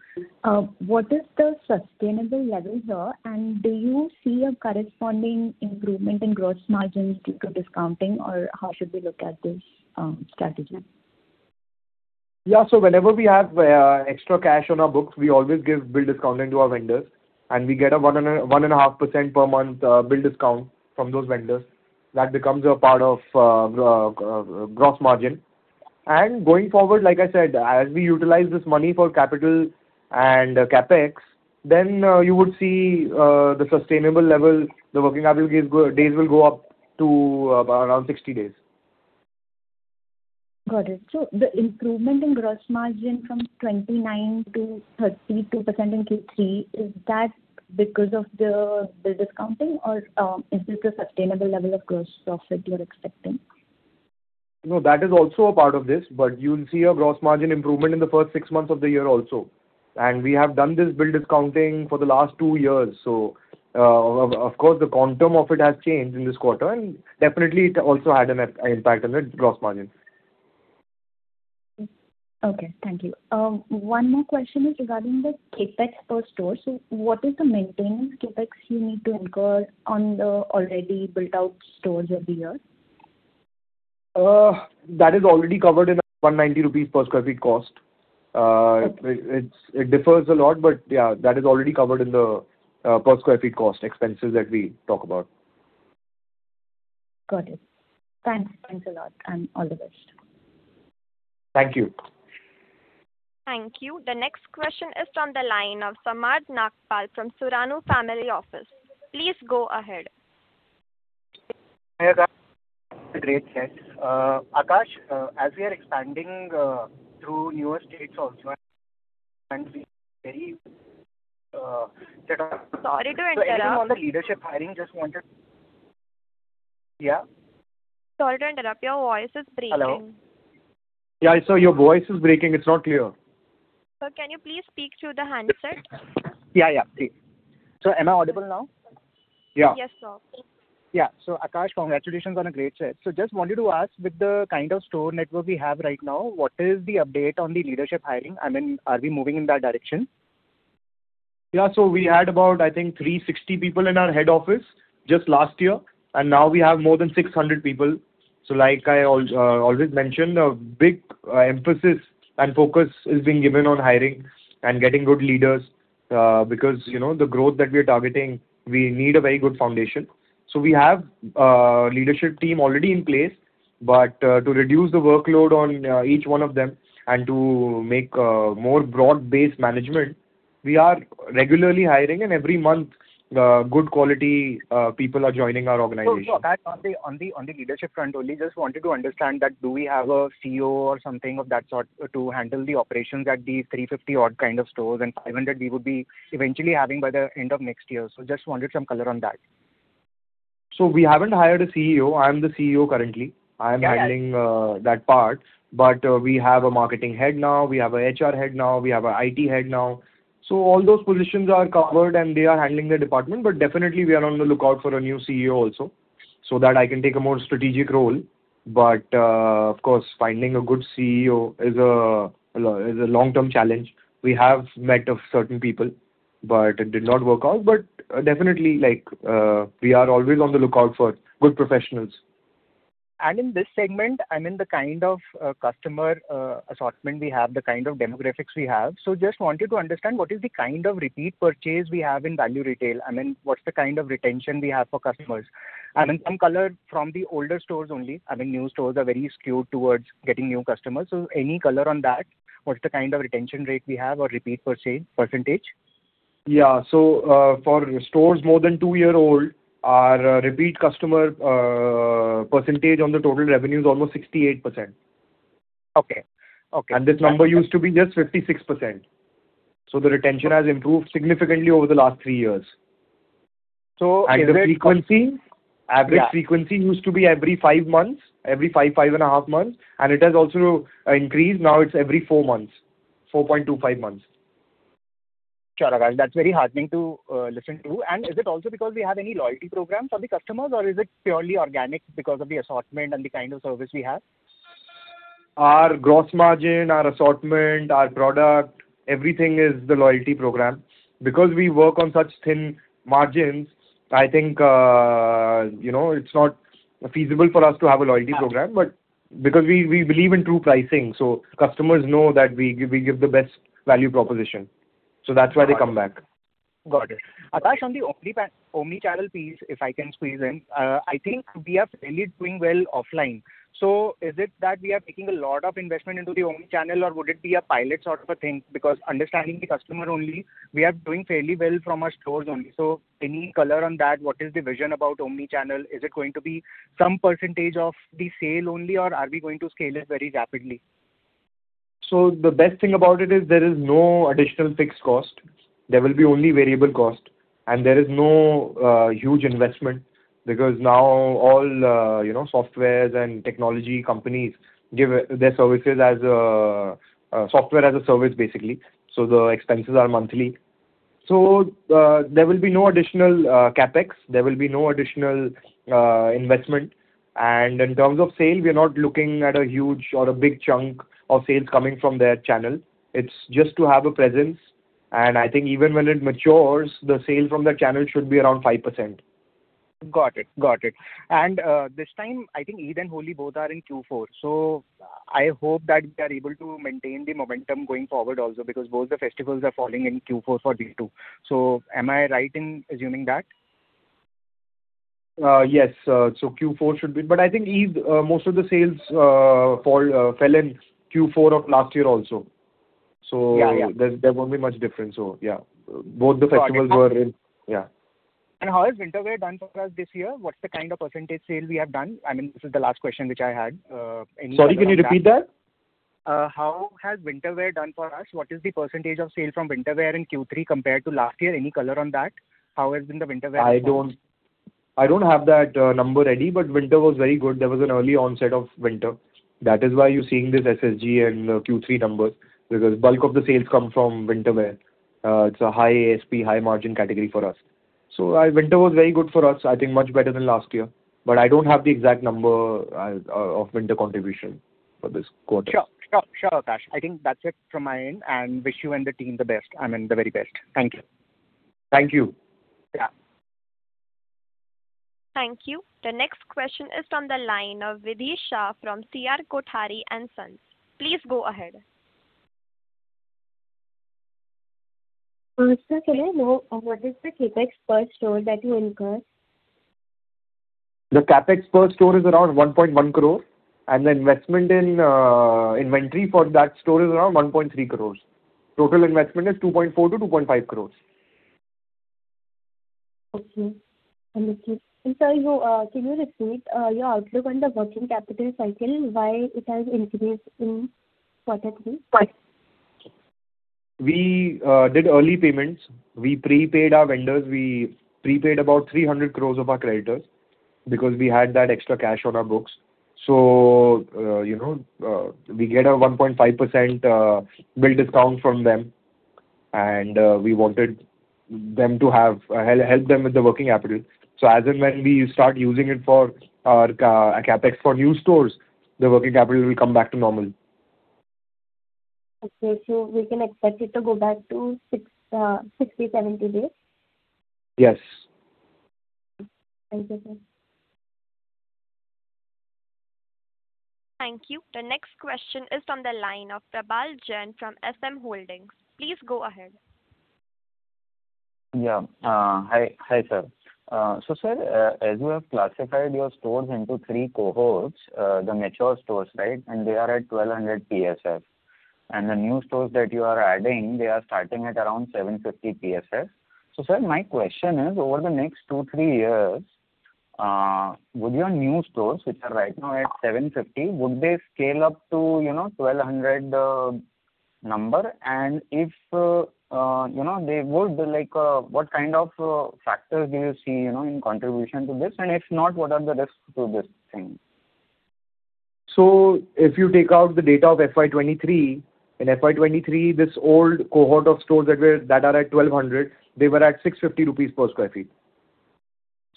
What is the sustainable level here, and do you see a corresponding improvement in gross margins due to discounting, or how should we look at this strategy? Yeah. So whenever we have extra cash on our books, we always give bill discounting to our vendors. And we get a 1.5% per month bill discount from those vendors. That becomes a part of gross margin. And going forward, like I said, as we utilize this money for capital and CapEx, then you would see the sustainable level, the working capital days will go up to around 60 days. Got it. So the improvement in gross margin from 29%-32% in Q3, is that because of the bill discounting, or is this the sustainable level of gross profit you're expecting? No, that is also a part of this. But you'll see a gross margin improvement in the first six months of the year also. And we have done this bill discounting for the last two years. So of course, the quantum of it has changed in this quarter. And definitely, it also had an impact on the gross margin. Okay. Thank you. One more question is regarding the CapEx per store. So what is the maintenance CapEx you need to incur on the already built-out stores of the year? That is already covered in a 190 rupees per sq ft cost. It differs a lot, but yeah, that is already covered in the per sq ft cost expenses that we talk about. Got it. Thanks a lot and all the best. Thank you. Thank you. The next question is from the line of Samarth Nagpal from Surana Family Office. Please go ahead. Yeah, that's a great question. Akash, as we are expanding through newer states also, and we are very set up. Sorry to interrupt. Anyone on the leadership hiring just wanted to yeah? Sorry to interrupt. Your voice is breaking. Hello. Yeah, I saw your voice is breaking. It's not clear. Sir, can you please speak through the handset? Yeah, yeah, please. So am I audible now? Yeah. Yes, sir. Yeah. So Akash, congratulations on a great set. So just wanted to ask, with the kind of store network we have right now, what is the update on the leadership hiring? I mean, are we moving in that direction? Yeah. So we had about, I think, 360 people in our head office just last year. And now we have more than 600 people. So like I always mentioned, a big emphasis and focus is being given on hiring and getting good leaders because the growth that we are targeting, we need a very good foundation. So we have a leadership team already in place. But to reduce the workload on each one of them and to make more broad-based management, we are regularly hiring. And every month, good quality people are joining our organization. Sure, sure. On the leadership front only, just wanted to understand that do we have a CEO or something of that sort to handle the operations at these 350-odd kind of stores? And 500, we would be eventually having by the end of next year. So just wanted some color on that. So we haven't hired a CEO. I'm the CEO currently. I am handling that part. But we have a marketing head now. We have an HR head now. We have an IT head now. So all those positions are covered, and they are handling the department. But definitely, we are on the lookout for a new CEO also so that I can take a more strategic role. But of course, finding a good CEO is a long-term challenge. We have met certain people, but it did not work out. But definitely, we are always on the lookout for good professionals. In this segment, I mean, the kind of customer assortment we have, the kind of demographics we have. So just wanted to understand what is the kind of repeat purchase we have in value retail? I mean, what's the kind of retention we have for customers? I mean, some color from the older stores only. I mean, new stores are very skewed towards getting new customers. So any color on that, what's the kind of retention rate we have or repeat percentage? Yeah. So for stores more than two years old, our repeat customer percentage on the total revenue is almost 68%. And this number used to be just 56%. So the retention has improved significantly over the last three years. And the frequency used to be every five months, every five, five and a half months. And it has also increased. Now it's every four months, 4.25 months. Sure, Akash. That's very heartening to listen to. And is it also because we have any loyalty programs for the customers, or is it purely organic because of the assortment and the kind of service we have? Our gross margin, our assortment, our product, everything is the loyalty program. Because we work on such thin margins, I think it's not feasible for us to have a loyalty program because we believe in true pricing. So customers know that we give the best value proposition. So that's why they come back. Got it. Akash, on the omnichannel piece, if I can squeeze in, I think we are fairly doing well offline. So is it that we are making a lot of investment into the omnichannel, or would it be a pilot sort of a thing? Because understanding the customer only, we are doing fairly well from our stores only. So any color on that? What is the vision about omnichannel? Is it going to be some percentage of the sale only, or are we going to scale it very rapidly? So the best thing about it is there is no additional fixed cost. There will be only variable cost. And there is no huge investment because now all softwares and technology companies give their services as software as a service, basically. So the expenses are monthly. So there will be no additional CapEx. There will be no additional investment. And in terms of sale, we are not looking at a huge or a big chunk of sales coming from their channel. It's just to have a presence. And I think even when it matures, the sale from that channel should be around 5%. Got it. Got it. And this time, I think Eid and Holi both are in Q4. So I hope that we are able to maintain the momentum going forward also because both the festivals are falling in Q4 for V2. So am I right in assuming that? Yes. So Q4 should be, but I think most of the sales fell in Q4 of last year also. So there won't be much difference. So yeah, both the festivals were in, yeah. And how has winter wear done for us this year? What's the kind of percentage sale we have done? I mean, this is the last question which I had. Any color on that? Sorry, can you repeat that? How has winter wear done for us? What is the percentage of sale from winter wear in Q3 compared to last year? Any color on that? How has been the winter wear? I don't have that number ready. But winter was very good. There was an early onset of winter. That is why you're seeing this SSSG and Q3 numbers because bulk of the sales come from winter wear. It's a high ASP, high margin category for us. So winter was very good for us, I think much better than last year. But I don't have the exact number of winter contribution for this quarter. Sure, sure, sure, Akash. I think that's it from my end. And wish you and the team the best. I mean, the very best. Thank you. Thank you. Yeah. Thank you. The next question is from the line of Vidisha from C.R. Kothari & Sons. Please go ahead. Sir, can I know what is the CapEx per store that you incur? The CapEx per store is around 1.1 crore. The investment inventory for that store is around 1.3 crore. Total investment is 2.4-2.5 crore. Okay. And sir, can you repeat your outlook on the working capital cycle, why it has increased in quarter three? We did early payments. We prepaid our vendors. We prepaid about 300 crore of our creditors because we had that extra cash on our books. So we get a 1.5% bill discount from them. And we wanted them to help them with the working capital. So as and when we start using it for our CapEx for new stores, the working capital will come back to normal. Okay. So we can expect it to go back to 60-70 days? Yes. Thank you, sir. Thank you. The next question is from the line of Prabal Jain from SM Holdings. Please go ahead. Yeah. Hi, sir. So sir, as you have classified your stores into three cohorts, the mature stores, right, and they are at 1,200 PSF. And the new stores that you are adding, they are starting at around 750 PSF. So sir, my question is, over the next two, three years, would your new stores, which are right now at 750, would they scale up to 1,200? And if they would, what kind of factors do you see in contribution to this? And if not, what are the risks to this thing? So if you take out the data of FY 2023, in FY 2023, this old cohort of stores that are at 1,200, they were at 650 rupees per sq ft.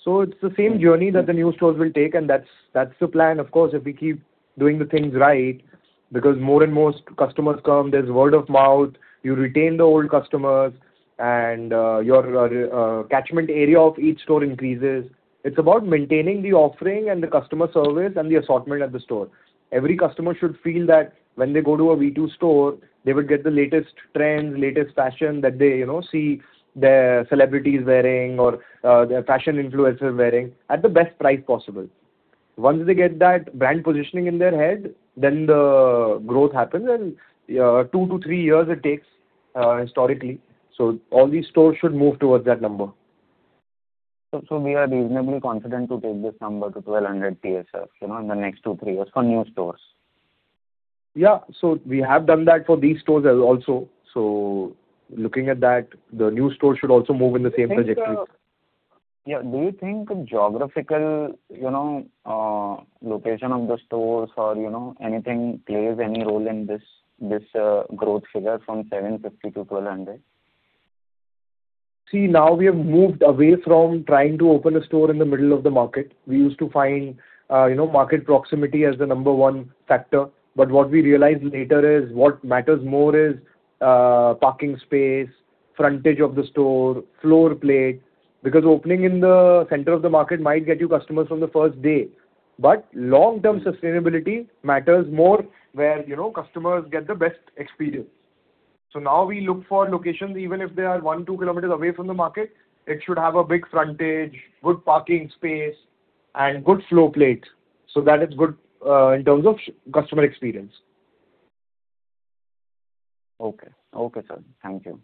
So it's the same journey that the new stores will take. And that's the plan, of course, if we keep doing the things right because more and more customers come. There's word of mouth. You retain the old customers. And your catchment area of each store increases. It's about maintaining the offering and the customer service and the assortment at the store. Every customer should feel that when they go to a V2 store, they would get the latest trends, latest fashion that they see their celebrities wearing or their fashion influencers wearing at the best price possible. Once they get that brand positioning in their head, then the growth happens. And two to three years it takes historically. So all these stores should move towards that number. We are reasonably confident to take this number to 1,200 PSF in the next two to three years for new stores? Yeah. So we have done that for these stores also. So looking at that, the new stores should also move in the same trajectory. Yeah. Do you think geographical location of the stores or anything plays any role in this growth figure from 750-1,200? See, now we have moved away from trying to open a store in the middle of the market. We used to find market proximity as the number one factor. But what we realized later is what matters more is parking space, frontage of the store, floor plate because opening in the center of the market might get you customers from the first day. But long-term sustainability matters more where customers get the best experience. So now we look for locations, even if they are 1one to two kilometers away from the market, it should have a big frontage, good parking space, and good floor plate so that it's good in terms of customer experience. Okay. Okay, sir. Thank you.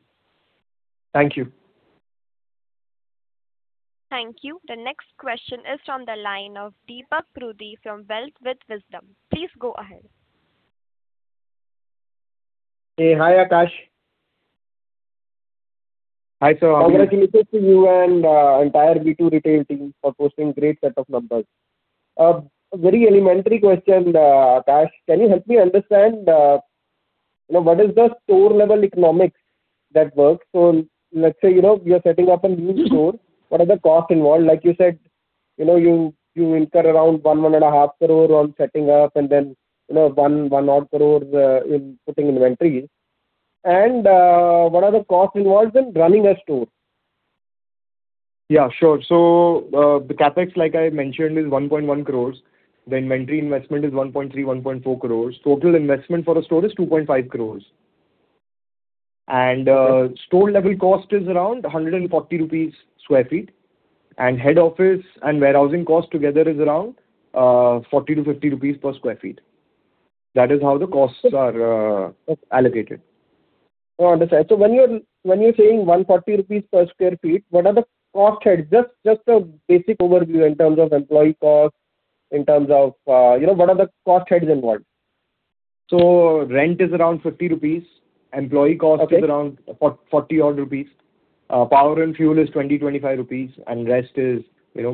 Thank you. Thank you. The next question is from the line of Deepak Pruthi from Wealth with Wisdom. Please go ahead. Hey, hi, Akash. Hi, sir. Congratulations to you and the entire V2 retail team for posting a great set of numbers. A very elementary question, Akash. Can you help me understand what is the store-level economics that works? So let's say you're setting up a new store. What are the costs involved? Like you said, you incur around 1-1.5 crore on setting up and then 1 crore in putting inventories. And what are the costs involved in running a store? Yeah. Sure. So the CapEx, like I mentioned, is 1.1 crore. The inventory investment is 1.3-1.4 crore. Total investment for a store is 2.5 crore. And store-level cost is around 140 rupees sq ft. And head office and warehousing cost together is around 40-50 rupees per sq ft. That is how the costs are allocated. Oh, I understand. So when you're saying 140 rupees per sq ft, what are the cost heads? Just a basic overview in terms of employee cost, in terms of what are the cost heads involved? So rent is around 50 rupees. Employee cost is around 40 rupees odd. Power and fuel is 20 rupees, INR 25. And rest is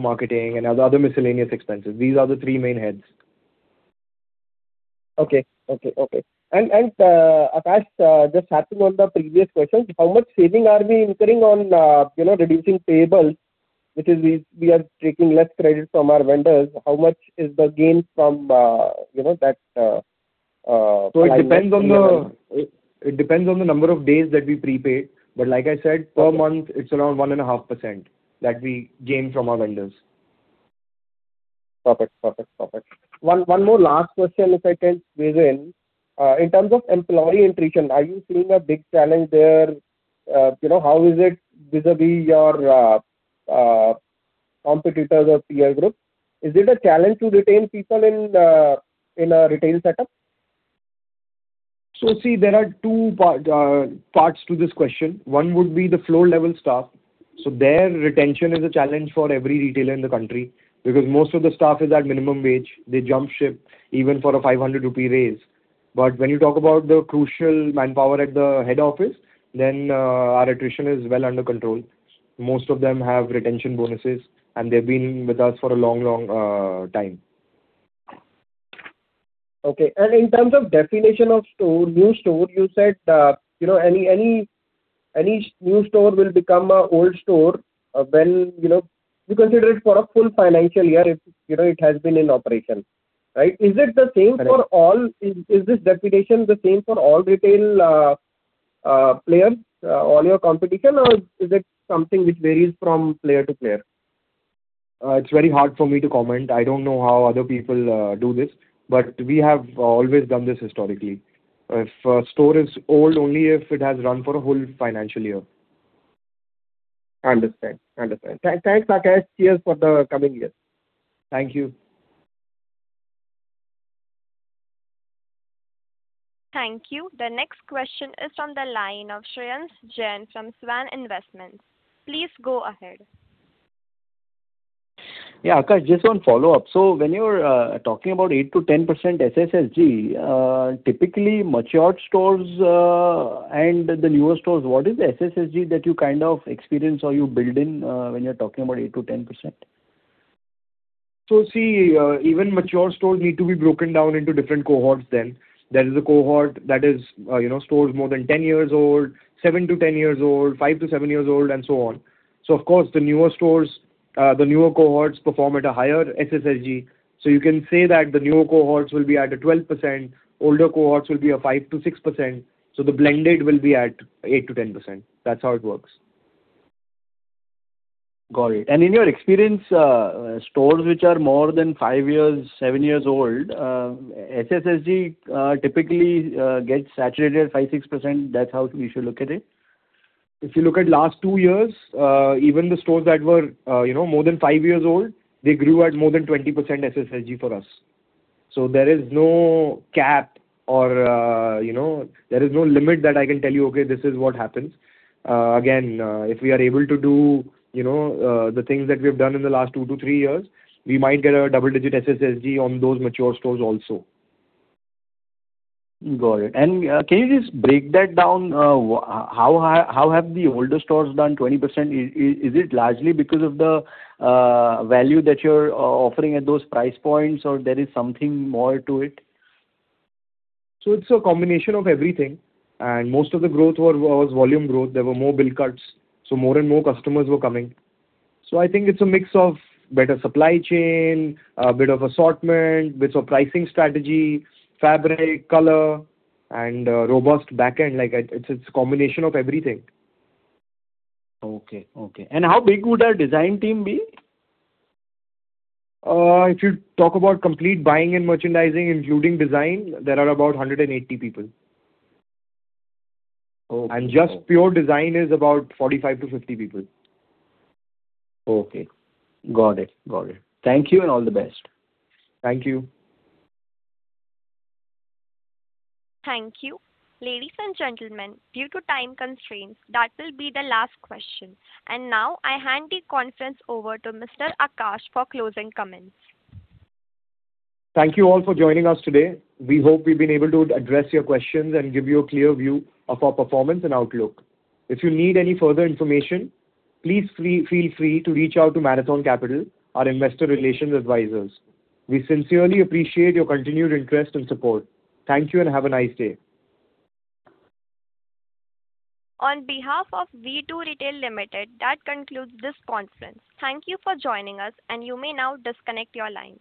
marketing and other miscellaneous expenses. These are the three main heads. Okay. Okay. Okay. And Akash, just happened on the previous questions. How much saving are we incurring on reducing payables, which is we are taking less credit from our vendors? How much is the gain from that payables? So it depends on the number of days that we prepaid. But like I said, per month, it's around 1.5% that we gain from our vendors. Perfect. Perfect. Perfect. One more last question, if I can squeeze in. In terms of employee attrition, are you seeing a big challenge there? How is it vis-à-vis your competitors or peer group? Is it a challenge to retain people in a retail setup? So see, there are two parts to this question. One would be the floor-level staff. So their retention is a challenge for every retailer in the country because most of the staff is at minimum wage. They jump ship even for a 500 rupee raise. But when you talk about the crucial manpower at the head office, then our attrition is well under control. Most of them have retention bonuses. And they've been with us for a long, long time. Okay. And in terms of definition of new store, you said any new store will become an old store when you consider it for a full financial year if it has been in operation, right? Is it the same for all? Is this definition the same for all retail players, all your competition, or is it something which varies from player to player? It's very hard for me to comment. I don't know how other people do this. But we have always done this historically. A store is old only if it has run for a whole financial year. I understand. I understand. Thanks, Akash. Cheers for the coming year. Thank you. Thank you. The next question is from the line of Shreyansh Jain from Svan Investments. Please go ahead. Yeah, Akash, just one follow-up. So when you're talking about 8%-10% SSSG, typically, matured stores and the newer stores, what is the SSSG that you kind of experience or you build in when you're talking about 8%-10%? So see, even mature stores need to be broken down into different cohorts then. There is a cohort that is stores more than 10 years old, 7-10 years old, five to seven years old, and so on. So of course, the newer cohorts perform at a higher SSSG. So you can say that the newer cohorts will be at a 12%. Older cohorts will be a 5%-6%. So the blended will be at 8%-10%. That's how it works. Got it. In your experience, stores which are more than five years, seven years old, SSSG typically gets saturated at 5%-6%. That's how we should look at it. If you look at last two years, even the stores that were more than five years old, they grew at more than 20% SSSG for us. So there is no cap or there is no limit that I can tell you, "Okay, this is what happens." Again, if we are able to do the things that we have done in the last two to three years, we might get a double-digit SSSG on those mature stores also. Got it. And can you just break that down? How have the older stores done 20%? Is it largely because of the value that you're offering at those price points, or there is something more to it? So it's a combination of everything. And most of the growth was volume growth. There were more bill cuts. So more and more customers were coming. So I think it's a mix of better supply chain, a bit of assortment, a bit of pricing strategy, fabric, color, and robust backend. It's a combination of everything. Okay. Okay. And how big would our design team be? If you talk about complete buying and merchandising, including design, there are about 180 people. And just pure design is about 45-50 people. Okay. Got it. Got it. Thank you and all the best. Thank you. Thank you. Ladies and gentlemen, due to time constraints, that will be the last question. And now I hand the conference over to Mr. Akash for closing comments. Thank you all for joining us today. We hope we've been able to address your questions and give you a clear view of our performance and outlook. If you need any further information, please feel free to reach out to Marathon Capital, our investor relations advisors. We sincerely appreciate your continued interest and support. Thank you and have a nice day. On behalf of V2 Retail Limited, that concludes this conference. Thank you for joining us. You may now disconnect your line.